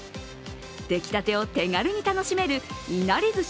出来たてを手軽に楽しめるいなりずし